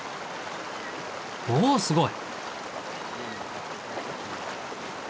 おおすごい！